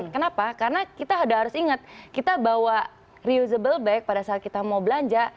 kenapa karena kita harus ingat kita bawa reusable back pada saat kita mau belanja